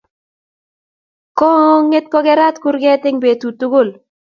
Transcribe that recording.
Ko nget ko kerat kurget eng betut tugul